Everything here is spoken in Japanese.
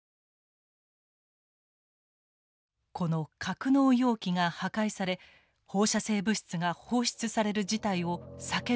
この格納容器が破壊され放射性物質が放出される事態を避けることができるのか？